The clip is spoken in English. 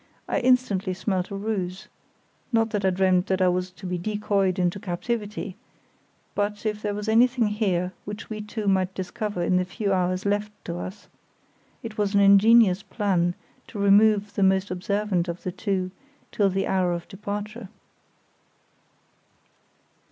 I instantly smelt a ruse, not that I dreamt that I was to be decoyed into captivity; but if there was anything here which we two might discover in the few hours left to us, it was an ingenious plan to remove the most observant of the two till the hour of departure.